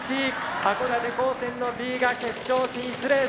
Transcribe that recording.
函館高専のＢが決勝進出です。